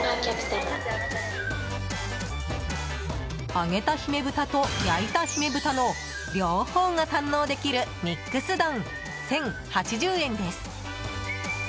揚げた姫豚と焼いた姫豚の両方が堪能できるミックス丼、１０８０円です。